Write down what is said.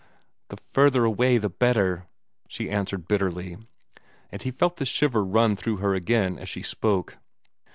"The further away the better," she answered bitterly, and he felt the shiver run through her again as she spoke.